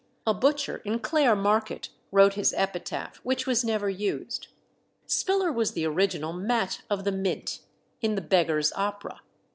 A butcher in Clare Market wrote his epitaph, which was never used. Spiller was the original Mat of the Mint in the "Beggars' Opera."